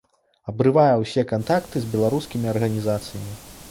Абрывае ўсе кантакты з беларускімі арганізацыямі.